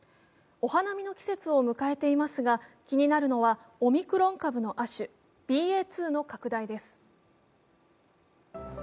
お花見の季節を迎えていますが、気になるのはオミクロン株の亜種ＢＡ．２の拡大です。